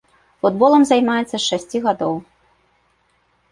Футболам займаецца з шасці гадоў.